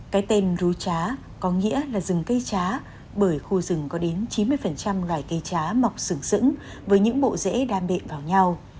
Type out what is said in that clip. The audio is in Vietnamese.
cái tên rú trá có nghĩa là rừng cây trá bởi khu rừng có đến chín mươi loài cây trá mọc sừng sững với những bộ rễ đam bệ vào nhau